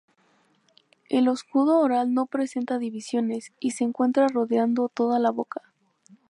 El escudo oral no presenta divisiones, y se encuentra rodeando toda la boca.